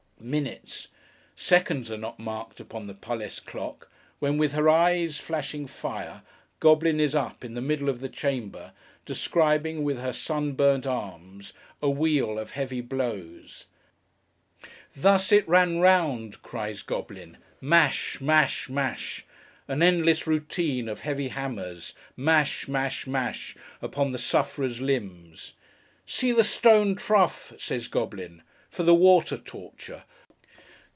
Minutes! Seconds are not marked upon the Palace clock, when, with her eyes flashing fire, Goblin is up, in the middle of the chamber, describing, with her sunburnt arms, a wheel of heavy blows. Thus it ran round! cries Goblin. Mash, mash, mash! An endless routine of heavy hammers. Mash, mash, mash! upon the sufferer's limbs. See the stone trough! says Goblin. For the water torture!